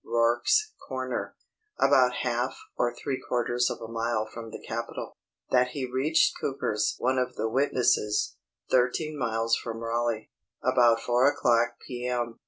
Rork's corner, about half or three quarters of a mile from the capitol; that he reached Cooper's (one of the witnesses), thirteen miles from Raleigh, about four o'clock, P. M.